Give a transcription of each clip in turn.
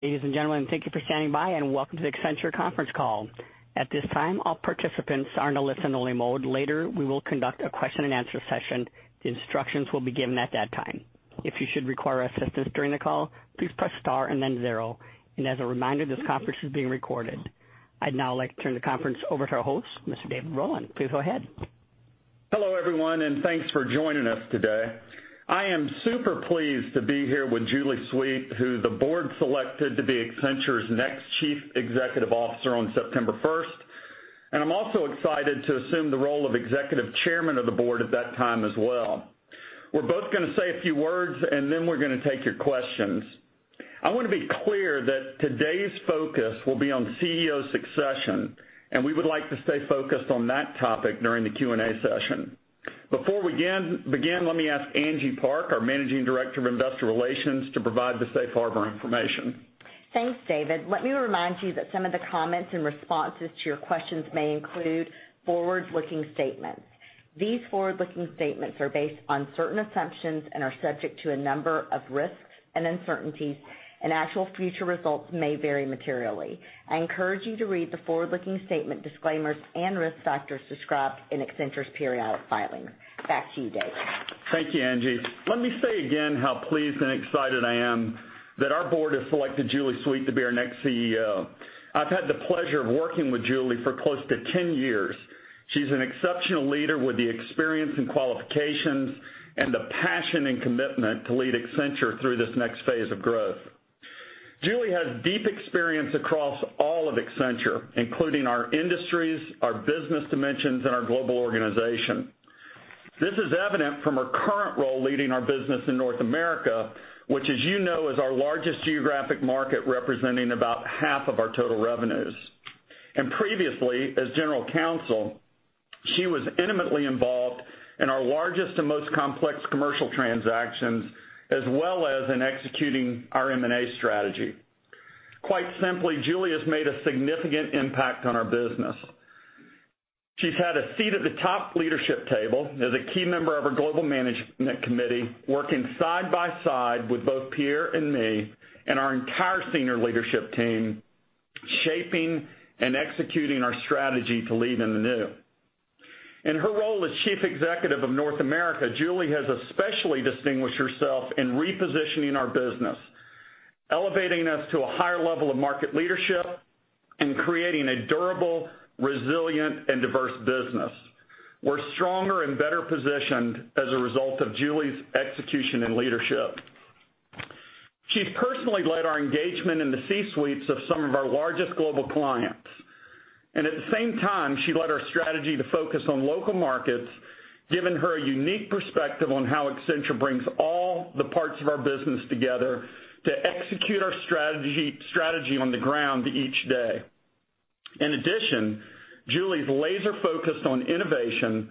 Ladies and gentlemen, thank you for standing by. Welcome to the Accenture conference call. At this time, all participants are in a listen-only mode. Later, we will conduct a question and answer session. The instructions will be given at that time. If you should require assistance during the call, please press star and then zero. As a reminder, this conference is being recorded. I'd now like to turn the conference over to our host, Mr. David Rowland. Please go ahead. Hello, everyone. Thanks for joining us today. I am super pleased to be here with Julie Sweet, who the board selected to be Accenture's next Chief Executive Officer on September 1st. I'm also excited to assume the role of Executive Chairman of the Board at that time as well. We're both going to say a few words. Then we're going to take your questions. I want to be clear that today's focus will be on CEO succession. We would like to stay focused on that topic during the Q&A session. Before we begin, let me ask Angie Park, our Managing Director of Investor Relations, to provide the safe harbor information. Thanks, David. Let me remind you that some of the comments and responses to your questions may include forward-looking statements. These forward-looking statements are based on certain assumptions and are subject to a number of risks and uncertainties. Actual future results may vary materially. I encourage you to read the forward-looking statement disclaimers and risk factors described in Accenture's periodic filings. Back to you, David. Thank you, Angie. Let me say again how pleased and excited I am that our board has selected Julie Sweet to be our next CEO. I've had the pleasure of working with Julie for close to 10 years. She's an exceptional leader with the experience and qualifications and the passion and commitment to lead Accenture through this next phase of growth. Julie has deep experience across all of Accenture, including our industries, our business dimensions, and our global organization. This is evident from her current role leading our business in North America, which as you know, is our largest geographic market, representing about half of our total revenues. Previously, as General Counsel, she was intimately involved in our largest and most complex commercial transactions, as well as in executing our M&A strategy. Quite simply, Julie has made a significant impact on our business. She's had a seat at the top leadership table as a key member of our global management committee, working side by side with both Pierre and me and our entire senior leadership team, shaping and executing our strategy to lead in the new. In her role as chief executive of North America, Julie has especially distinguished herself in repositioning our business, elevating us to a higher level of market leadership, and creating a durable, resilient, and diverse business. We're stronger and better positioned as a result of Julie's execution and leadership. She's personally led our engagement in the C-suites of some of our largest global clients. At the same time, she led our strategy to focus on local markets, giving her a unique perspective on how Accenture brings all the parts of our business together to execute our strategy on the ground each day. In addition, Julie's laser-focused on innovation,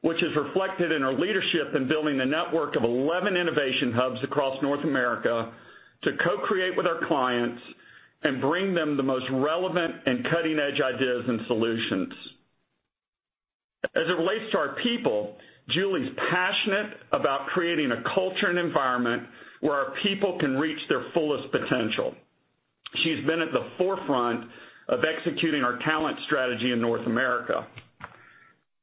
which is reflected in her leadership in building a network of 11 innovation hubs across North America to co-create with our clients and bring them the most relevant and cutting-edge ideas and solutions. As it relates to our people, Julie's passionate about creating a culture and environment where our people can reach their fullest potential. She's been at the forefront of executing our talent strategy in North America.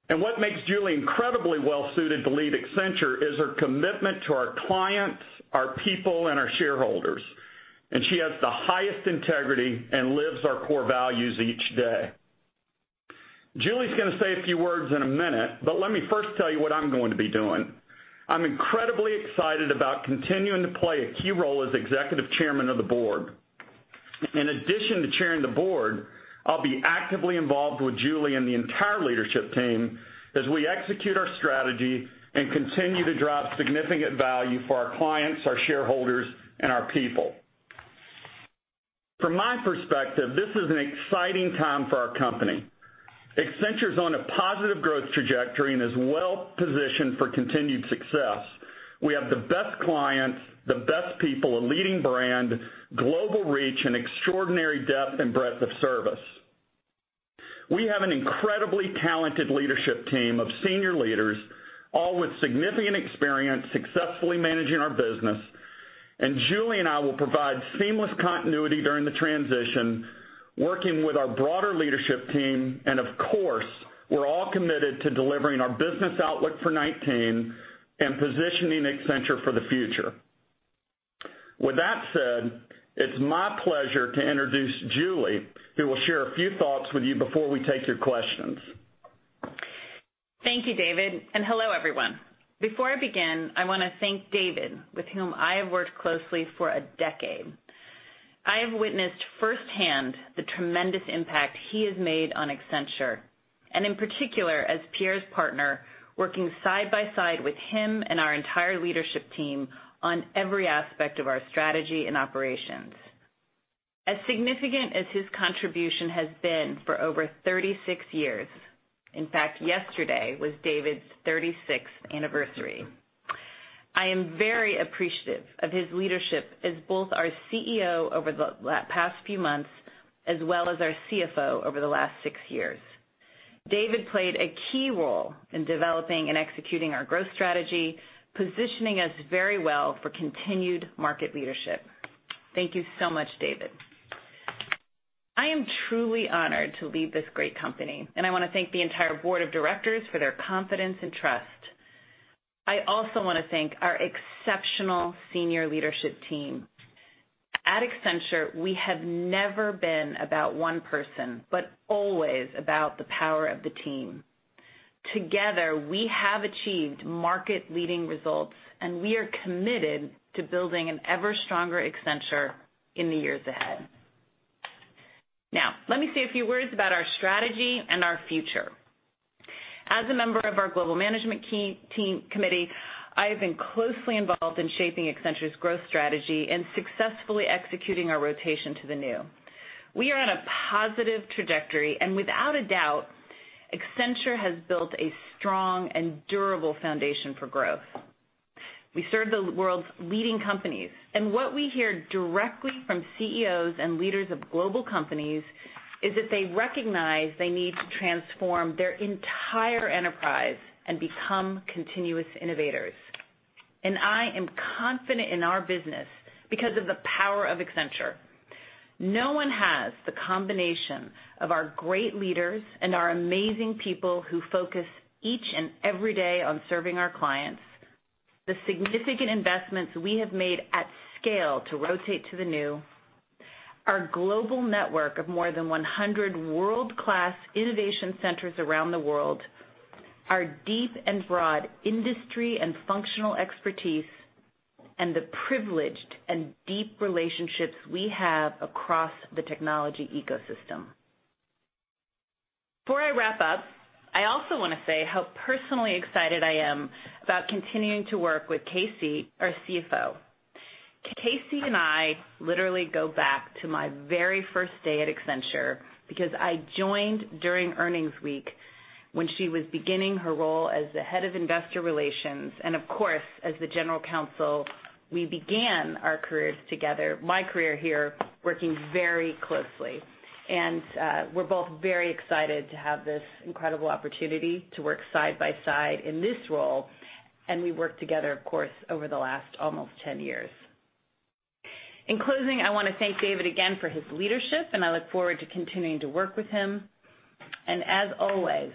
What makes Julie incredibly well-suited to lead Accenture is her commitment to our clients, our people, and our shareholders. She has the highest integrity and lives our core values each day. Julie's going to say a few words in a minute. Let me first tell you what I'm going to be doing. I'm incredibly excited about continuing to play a key role as executive chairman of the board. In addition to chairing the board, I'll be actively involved with Julie and the entire leadership team as we execute our strategy and continue to drive significant value for our clients, our shareholders, and our people. From my perspective, this is an exciting time for our company. Accenture's on a positive growth trajectory and is well-positioned for continued success. We have the best clients, the best people, a leading brand, global reach, and extraordinary depth and breadth of service. We have an incredibly talented leadership team of senior leaders, all with significant experience successfully managing our business. Julie and I will provide seamless continuity during the transition, working with our broader leadership team. Of course, we're all committed to delivering our business outlook for 2019 and positioning Accenture for the future. With that said, it's my pleasure to introduce Julie, who will share a few thoughts with you before we take your questions. Thank you, David. Hello, everyone. Before I begin, I want to thank David, with whom I have worked closely for a decade. I have witnessed firsthand the tremendous impact he has made on Accenture, and in particular, as Pierre's partner, working side by side with him and our entire leadership team on every aspect of our strategy and operations. As significant as his contribution has been for over 36 years, in fact, yesterday was David's 36th anniversary. I am very appreciative of his leadership as both our CEO over the past few months as well as our CFO over the last six years. David played a key role in developing and executing our growth strategy, positioning us very well for continued market leadership. Thank you so much, David. I am truly honored to lead this great company. I want to thank the entire board of directors for their confidence and trust. I also want to thank our exceptional senior leadership team. At Accenture, we have never been about one person, but always about the power of the team. Together, we have achieved market-leading results. We are committed to building an ever-stronger Accenture in the years ahead. Let me say a few words about our strategy and our future. As a member of our Global Management Committee, I have been closely involved in shaping Accenture's growth strategy and successfully executing our rotation to the new. We are on a positive trajectory. Without a doubt, Accenture has built a strong and durable foundation for growth. We serve the world's leading companies. What we hear directly from CEOs and leaders of global companies is that they recognize they need to transform their entire enterprise and become continuous innovators. I am confident in our business because of the power of Accenture. No one has the combination of our great leaders and our amazing people who focus each and every day on serving our clients, the significant investments we have made at scale to rotate to the new, our global network of more than 100 world-class innovation centers around the world, our deep and broad industry and functional expertise, and the privileged and deep relationships we have across the technology ecosystem. Before I wrap up, I also want to say how personally excited I am about continuing to work with Casey, our CFO. Casey and I literally go back to my very first day at Accenture because I joined during earnings week when she was beginning her role as the head of investor relations and of course, as the general counsel. We began our careers together, my career here, working very closely. We're both very excited to have this incredible opportunity to work side by side in this role. We worked together, of course, over the last almost 10 years. In closing, I want to thank David again for his leadership. I look forward to continuing to work with him. As always,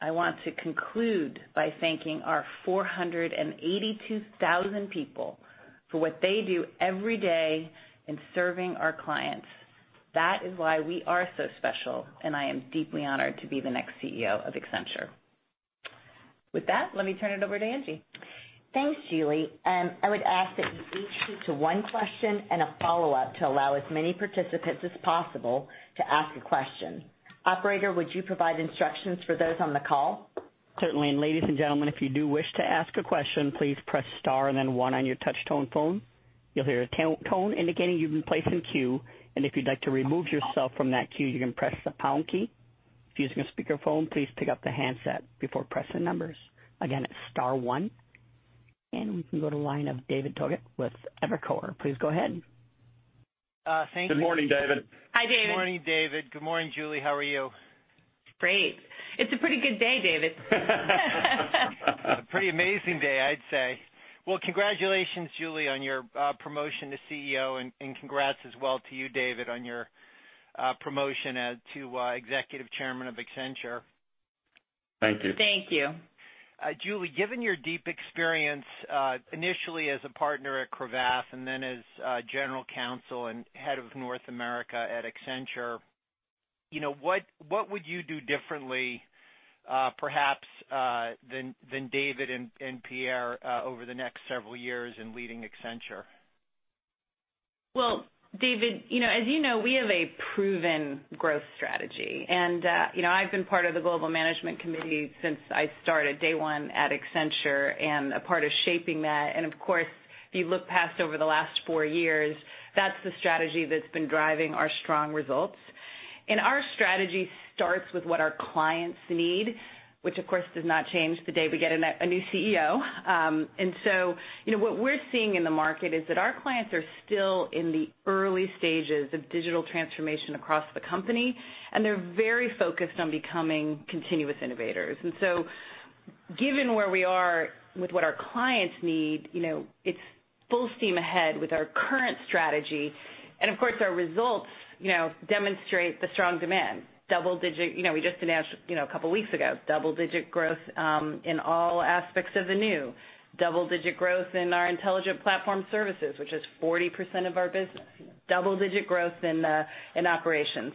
I want to conclude by thanking our 482,000 people for what they do every day in serving our clients. That is why we are so special. I am deeply honored to be the next CEO of Accenture. With that, let me turn it over to Angie. Thanks, Julie. I would ask that you each keep to one question and a follow-up to allow as many participants as possible to ask a question. Operator, would you provide instructions for those on the call? Certainly. Ladies and gentlemen, if you do wish to ask a question, please press star and then one on your touch-tone phone. You'll hear a tone indicating you've been placed in queue. If you'd like to remove yourself from that queue, you can press the pound key. If you're using a speakerphone, please pick up the handset before pressing numbers. Again, it's star one. We can go to line of David Togut with Evercore. Please go ahead. Thank you. Good morning, David. Hi, David. Good morning, David. Good morning, Julie. How are you? Great. It's a pretty good day, David. A pretty amazing day, I'd say. Well, congratulations, Julie, on your promotion to CEO, and congrats as well to you, David, on your promotion to Executive Chairman of Accenture. Thank you. Thank you. Julie, given your deep experience initially as a partner at Cravath and then as general counsel and head of North America at Accenture, what would you do differently, perhaps, than David and Pierre over the next several years in leading Accenture? Well, David, as you know, we have a proven growth strategy. I've been part of the Global Management Committee since I started day one at Accenture and a part of shaping that. If you look past over the last four years, that's the strategy that's been driving our strong results. Our strategy starts with what our clients need, which of course, does not change the day we get a new CEO. What we're seeing in the market is that our clients are still in the early stages of digital transformation across the company, and they're very focused on becoming continuous innovators. Given where we are with what our clients need, it's full steam ahead with our current strategy. Our results demonstrate the strong demand. We just announced a couple of weeks ago, double-digit growth in all aspects of the new, double-digit growth in our Intelligent Platform Services, which is 40% of our business, double-digit growth in operations.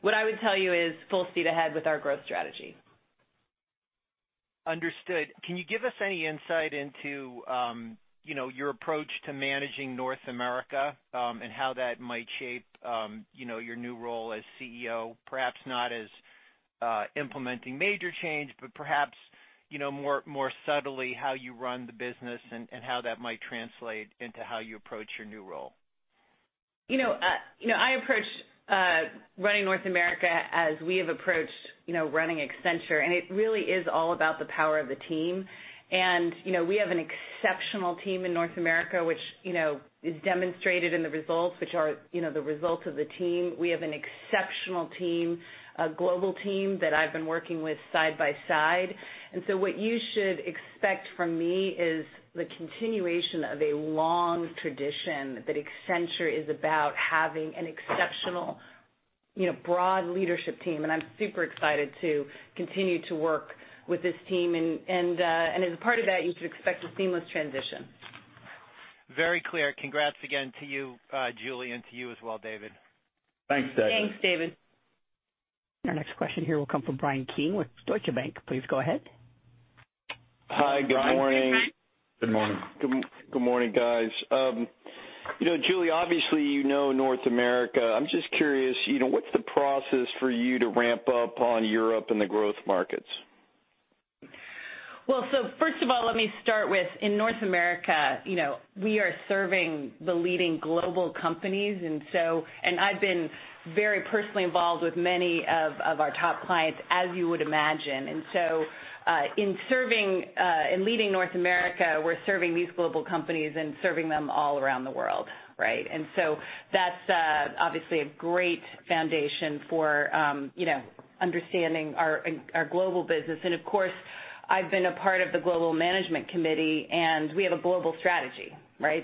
What I would tell you is full speed ahead with our growth strategy. Understood. Can you give us any insight into your approach to managing North America and how that might shape your new role as CEO, perhaps not as implementing major change, but perhaps more subtly how you run the business and how that might translate into how you approach your new role? I approach running North America as we have approached running Accenture. It really is all about the power of the team. We have an exceptional team in North America, which is demonstrated in the results, which are the results of the team. We have an exceptional team, a global team that I've been working with side by side. What you should expect from me is the continuation of a long tradition that Accenture is about having an exceptional broad leadership team. I'm super excited to continue to work with this team. As a part of that, you should expect a seamless transition. Very clear. Congrats again to you, Julie, and to you as well, David. Thanks, David. Thanks, David. Our next question here will come from Bryan Keane with Deutsche Bank. Please go ahead. Hi, Bryan. Good morning. Good morning. Good morning, guys. Julie, obviously, you know North America. I'm just curious, what's the process for you to ramp up on Europe and the growth markets? First of all, let me start with, in North America, we are serving the leading global companies. I've been very personally involved with many of our top clients, as you would imagine. In leading North America, we're serving these global companies and serving them all around the world, right? That's obviously a great foundation for understanding our global business. Of course, I've been a part of the Global Management Committee, and we have a global strategy, right?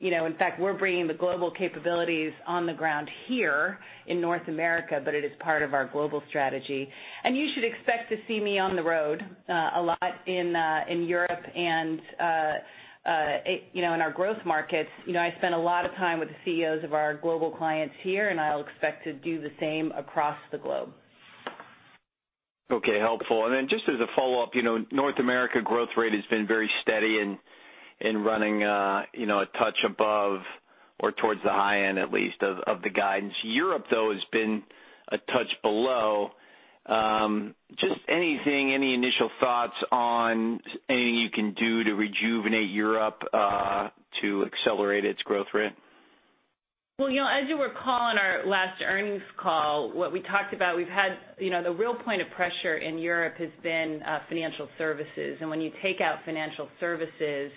In fact, we're bringing the global capabilities on the ground here in North America, but it is part of our global strategy. You should expect to see me on the road a lot in Europe and in our growth markets. I spend a lot of time with the CEOs of our global clients here, and I'll expect to do the same across the globe. Okay, helpful. Just as a follow-up, North America growth rate has been very steady in running a touch above or towards the high end, at least, of the guidance. Europe, though, has been a touch below. Anything, any initial thoughts on anything you can do to rejuvenate Europe to accelerate its growth rate? Well, as you recall, on our last earnings call, what we talked about, the real point of pressure in Europe has been financial services. When you take out financial services,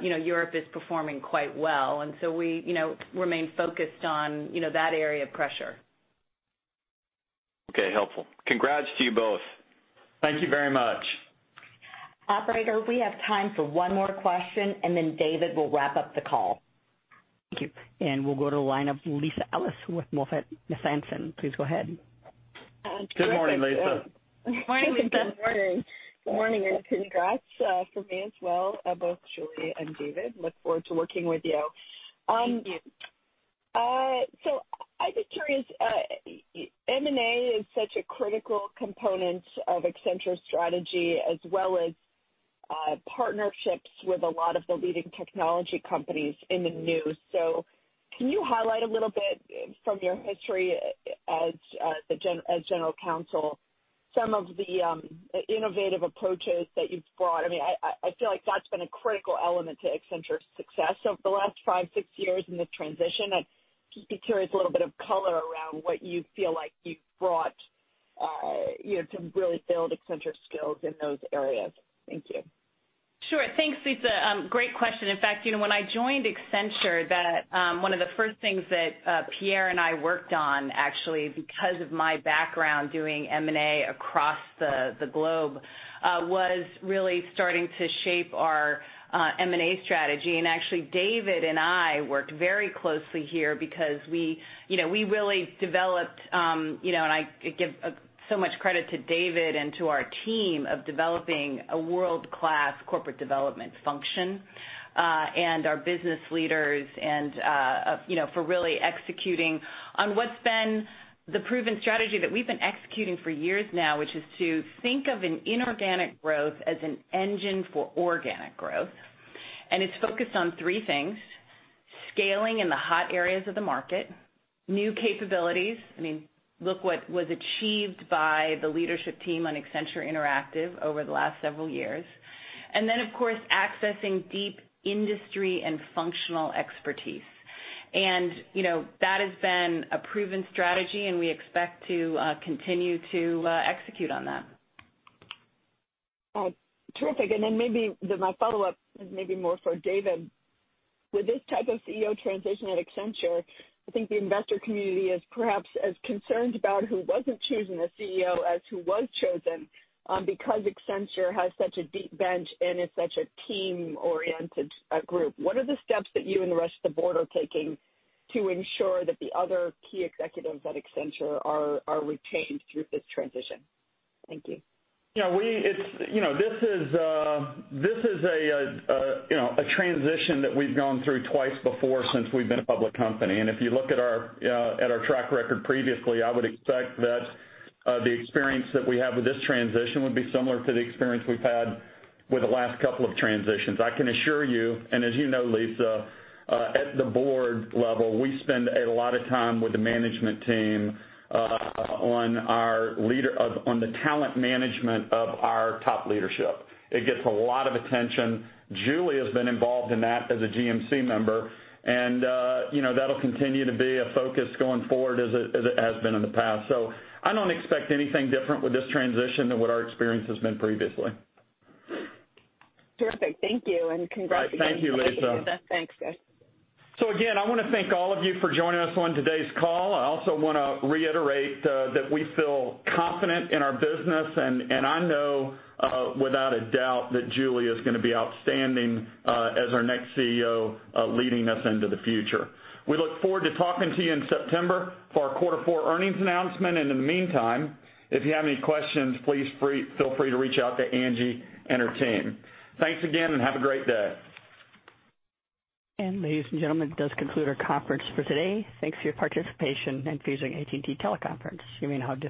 Europe is performing quite well. We remain focused on that area of pressure. Okay. Helpful. Congrats to you both. Thank you very much. Operator, we have time for one more question, then David will wrap up the call. Thank you. We'll go to the line of Lisa Ellis with MoffettNathanson. Please go ahead. Good morning, Lisa. Morning, Lisa. Good morning, congrats from me as well, both Julie and David. Look forward to working with you. Thank you. I'd be curious, M&A is such a critical component of Accenture's strategy, as well as partnerships with a lot of the leading technology companies in the news. Can you highlight a little bit from your history as general counsel some of the innovative approaches that you've brought? I feel like that's been a critical element to Accenture's success over the last five, six years in this transition. I'd just be curious, a little bit of color around what you feel like you've brought to really build Accenture's skills in those areas. Thank you. Sure. Thanks, Lisa. Great question. In fact, when I joined Accenture, one of the first things that Pierre and I worked on, actually, because of my background doing M&A across the globe, was really starting to shape our M&A strategy. Actually, David and I worked very closely here because we really developed, and I give so much credit to David and to our team of developing a world-class corporate development function, and our business leaders for really executing on what's been the proven strategy that we've been executing for years now, which is to think of an inorganic growth as an engine for organic growth. It's focused on three things: scaling in the hot areas of the market, new capabilities, look what was achieved by the leadership team on Accenture Interactive over the last several years, and then, of course, accessing deep industry and functional expertise. That has been a proven strategy, and we expect to continue to execute on that. Terrific. Maybe my follow-up is maybe more for David. With this type of CEO transition at Accenture, I think the investor community is perhaps as concerned about who wasn't chosen as CEO as who was chosen because Accenture has such a deep bench and is such a team-oriented group. What are the steps that you and the rest of the board are taking to ensure that the other key executives at Accenture are retained through this transition? Thank you. This is a transition that we've gone through twice before since we've been a public company. If you look at our track record previously, I would expect that the experience that we have with this transition would be similar to the experience we've had with the last couple of transitions. I can assure you, and as you know, Lisa, at the board level, we spend a lot of time with the management team on the talent management of our top leadership. It gets a lot of attention. Julie has been involved in that as a GMC member, and that'll continue to be a focus going forward as it has been in the past. I don't expect anything different with this transition than what our experience has been previously. Terrific. Thank you, and congratulations. Thank you, Lisa. Thanks, guys. Again, I want to thank all of you for joining us on today's call. I also want to reiterate that we feel confident in our business, and I know without a doubt that Julie is going to be outstanding as our next CEO, leading us into the future. We look forward to talking to you in September for our quarter four earnings announcement. In the meantime, if you have any questions, please feel free to reach out to Angie and her team. Thanks again, and have a great day. Ladies and gentlemen, this does conclude our conference for today. Thanks for your participation in today's AT&T teleconference. You may now disconnect.